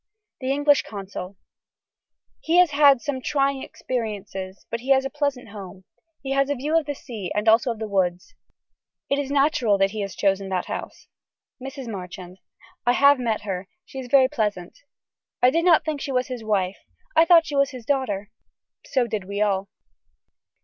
(The English Consul.) He has had some trying experiences but he has a pleasant home. He has a view of the sea and also of the woods. It is natural that he has chosen that house. (Mrs. Marchand.) I have met her. She is very pleasant. I did not think she was his wife. I thought she was his daughter. So did we all.